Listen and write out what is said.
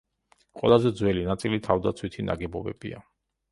ყველაზე ძველი ნაწილი თავდაცვითი ნაგებობებია.